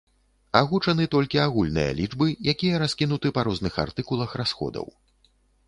Агучаны толькі агульныя лічбы, якія раскінуты па розных артыкулах расходаў.